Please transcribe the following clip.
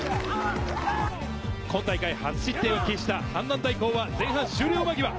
今大会初失点を喫した阪南大高は前半終了間際。